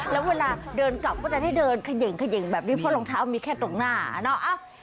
แล้วเวลาเดินกลับก็จะได้เดินเขย่งเขย่งแบบนี้เพราะรองเท้ามีแค่ตรงหน้าเนาะ